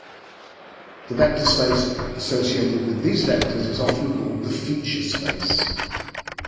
The vector space associated with these vectors is often called the feature space.